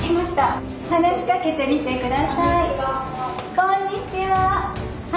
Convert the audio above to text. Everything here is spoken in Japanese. こんにちは。